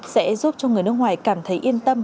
sẽ giúp cho người nước ngoài cảm thấy yên tâm